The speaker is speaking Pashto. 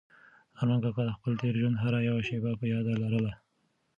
ارمان کاکا د خپل تېر ژوند هره یوه شېبه په یاد لرله.